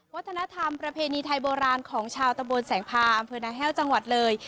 วัฒนธรรมประเพณีไทยโบราณของชาวตะบนแสงพาอำเภอนาแห้วจังหวัดเลย